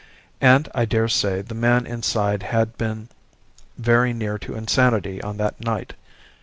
And I daresay the man inside had been very near to insanity on that night.